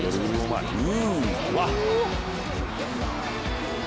うーわっ！